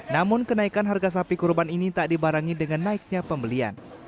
namun kenaikan harga sapi kurban ini tak dibarengi dengan naiknya pembelian